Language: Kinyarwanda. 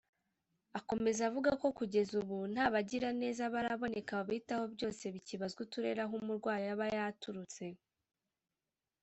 Akomeza avuga ko kugeza ubu nta bagiraneza baraboneka babitaho byose bikibazwa uturere aho umurwayi aba yaturutse